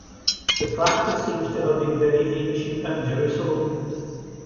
The practice seems to have been very ancient at Jerusalem.